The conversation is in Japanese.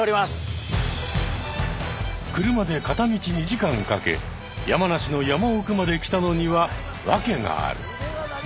車で片道２時間かけ山梨の山奥まで来たのには訳がある。